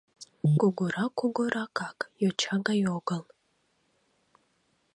Кугурак — кугуракак, йоча гай огыл.